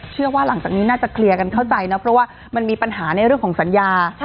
หลังจากนี้น่าจะเคลียร์กันเข้าใจนะเพราะว่ามันมีปัญหาในเรื่องของสัญญา